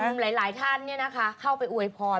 หลายท่านเข้าไปอวยพร